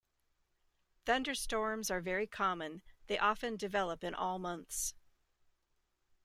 Thunderstorms are very common, they often develop in all months.